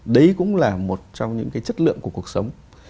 đấy cũng là một trong những cái chất lượng của cuộc sống